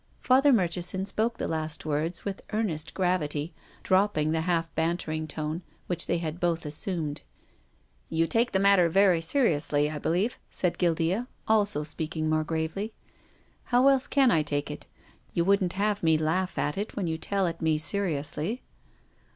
Father Murchison spoke the last words with earnest gravity, dropping the half bantering tone — which they had both assumed. "You take the matter very seriously, I be lieve," said Guildea, also speaking more gravely. " How else can I take it ? You wouldn't have me laugh at it when you tell it me seriously?"